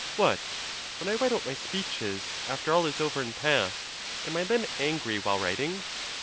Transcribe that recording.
What! when I write out my speeches after all is over and past, am I then angry while writing?